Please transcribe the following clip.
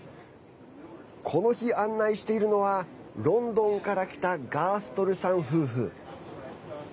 この日、案内しているのはロンドンから来たガーストルさん夫婦。